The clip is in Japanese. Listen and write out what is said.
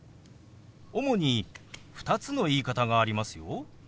主に２つの言い方がありますよ。